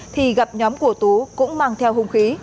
thì gặp nhóm của tú cũng mang theo hút